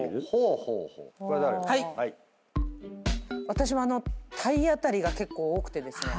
私も体当たりが結構多くてですね。